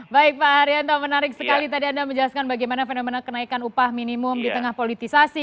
baik pak haryanto menarik sekali tadi anda menjelaskan bagaimana fenomena kenaikan upah minimum di tengah politisasi